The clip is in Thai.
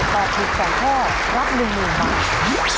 ตอบถูกแสนข้อรับหนึ่งหนึ่งบาท